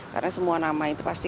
karena semua nama itu pasti